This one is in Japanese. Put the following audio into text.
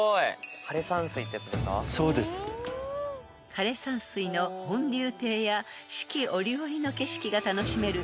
［枯れ山水の奔龍庭や四季折々の景色が楽しめる］